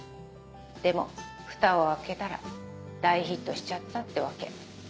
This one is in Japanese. でもフタを開けたら大ヒットしちゃったってわけ。